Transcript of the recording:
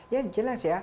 ya jelas ya